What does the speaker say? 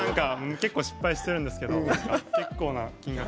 結構失敗してるんですけど結構な金額。